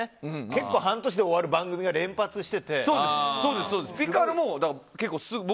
結構半年で終わる番組が連発していて。